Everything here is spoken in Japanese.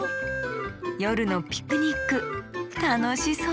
よるのピクニックたのしそう！